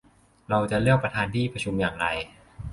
เราจะเลือกประธานที่ประชุมอย่างไร